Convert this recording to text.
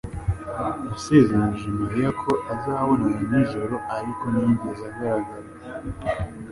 yasezeranyije Mariya ko azabonana nijoro ariko ntiyigeze agaragara